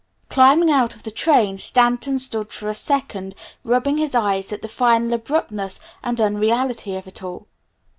Climbing out of the train Stanton stood for a second rubbing his eyes at the final abruptness and unreality of it all.